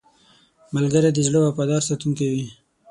ملګری د زړه وفادار ساتونکی وي